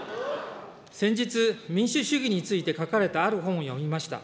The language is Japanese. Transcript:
先日、民主主義について書かれたある本を読みました。